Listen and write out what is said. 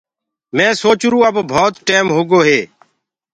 مي سوچرو اب ڀوت ٽيم هوگو هي۔